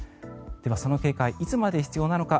では、その警戒いつまで必要なのか